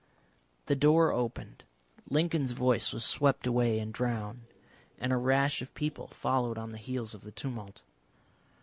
The door opened, Lincoln's voice was swept away and drowned, and a rash of people followed on the heels of the tumult.